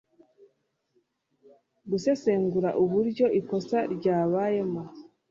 gusesengura uburyo ikosa ryabayemo